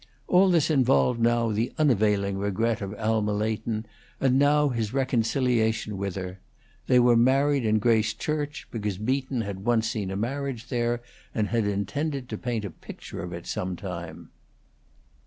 All this involved now the unavailing regret of Alma Leighton, and now his reconciliation with her: they were married in Grace Church, because Beaton had once seen a marriage there, and had intended to paint a picture of it some time.